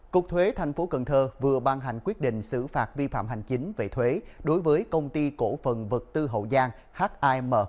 cục thuế tp cần thơ vừa ban hành quyết định xử phạt vi phạm hành chính về thuế đối với công ty cổ phần vật tư hậu giang him